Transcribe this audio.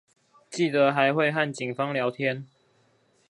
記得還會和警方聊天